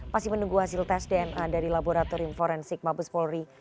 masih menunggu hasil tes dna dari laboratorium forensik mabes polri